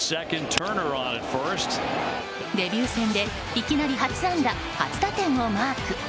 デビュー戦でいきなり初安打初打点をマーク。